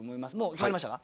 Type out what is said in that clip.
決まりました。